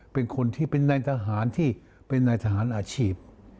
เป็นคนที่เป็นนายทหารที่เป็นนายทหารอาชีพ